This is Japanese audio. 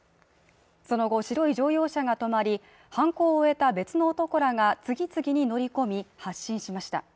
その後白い乗用車が止まり犯行を終えた別の男らが次々に乗り込み発進しました。